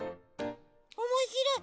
わあおもしろい！